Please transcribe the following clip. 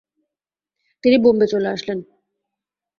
তিনি বোম্বে চলে আসেন।